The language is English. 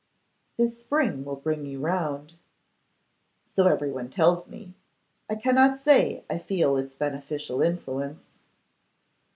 'This spring will bring you round.' 'So everyone tells me. I cannot say I feel its beneficial influence.